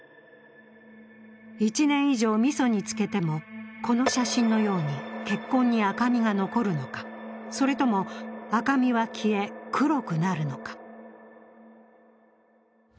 １年以上みそにつけてもこの写真のように血痕に赤みが残るのか、それとも赤みは消え、黒くなるのか。